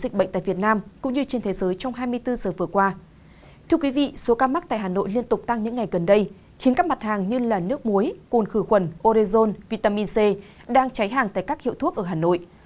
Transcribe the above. khiến các mặt hàng như nước muối côn khử khuẩn orezone vitamin c đang cháy hàng tại các hiệu thuốc ở hà nội